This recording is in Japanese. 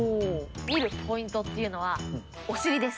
見るポイントっていうのは、お尻です。